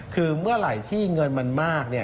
คือเมื่อไหร่ที่เงินมันมาก